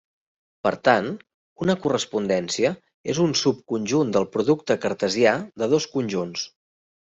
Per tant, una correspondència és un subconjunt del producte cartesià de dos conjunts.